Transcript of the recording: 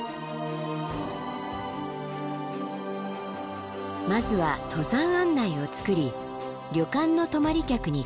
まずは登山案内を作り旅館の泊まり客に配りました。